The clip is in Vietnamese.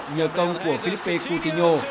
nhờ công của felipe coutinho